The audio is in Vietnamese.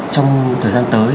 trong thời gian tới